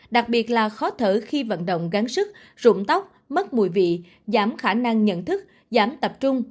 đặc biệt là khó thở khi vận động gắn sức rụng tóc mất mùi vị giảm khả năng nhận thức giảm tập trung